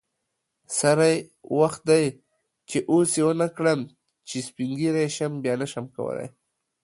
سری وخت دی چی اوس یی ونکړم چی سپین ږیری شم بیا نشم کولی